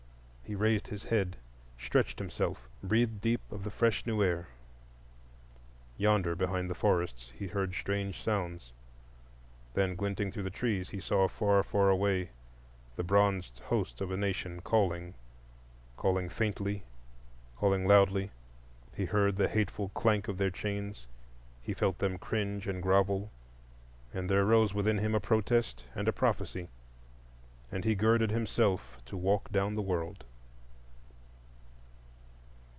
He raised his head, stretched himself, breathed deep of the fresh new air. Yonder, behind the forests, he heard strange sounds; then glinting through the trees he saw, far, far away, the bronzed hosts of a nation calling,—calling faintly, calling loudly. He heard the hateful clank of their chains; he felt them cringe and grovel, and there rose within him a protest and a prophecy. And he girded himself to walk down the world.